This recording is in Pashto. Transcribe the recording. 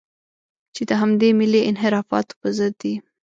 چې د همدې ملي انحرافاتو په ضد دي.